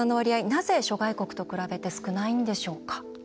なぜ諸外国に比べて少ないんでしょうか。